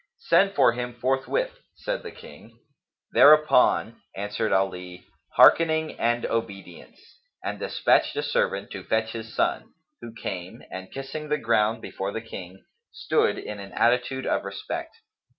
"Send for him forthwith," said the King. Thereupon answered Ali "Hearkening and obedience!", and despatched a servant to fetch his son, who came and kissing the ground before the King, stood in an attitude of respect.